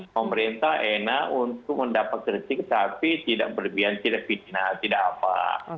pemerintah enak untuk mendapat kritik tapi tidak berlebihan tidak fitnah tidak apa